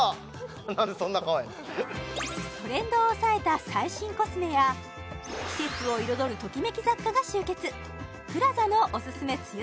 なんでそんな顔やねんトレンドを押さえた最新コスメや季節を彩るときめき雑貨が集結とは？